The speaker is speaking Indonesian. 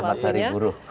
selamat hari buruh